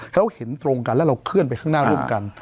เขาเห็นตรงกันแล้วเราเคลื่อนไปข้างหน้าร่วมกัน